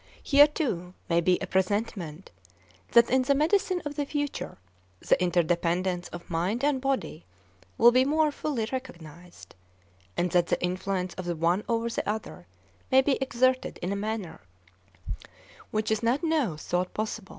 Here too may be a presentiment that in the medicine of the future the interdependence of mind and body will be more fully recognized, and that the influence of the one over the other may be exerted in a manner which is not now thought possible.